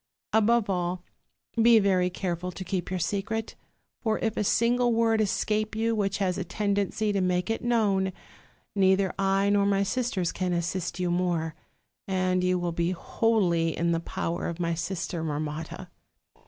Above all, be very careful to keep your secret; for if a single word escape you which has a tendency to make it known, neither I nor my sisters can assist you more; and you will be wholly in the power of my sister Mar motta.'